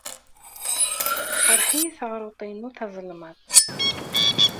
Teqreḥ-iyi teɣruḍt-inu tazelmaḍt.